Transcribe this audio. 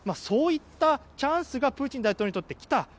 そういったチャンスがプーチン大統領にとって来た。